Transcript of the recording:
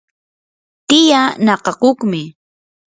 tiyaa nakakuqmi.